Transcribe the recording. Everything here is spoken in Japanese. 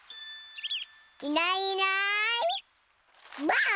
いないいないばあっ！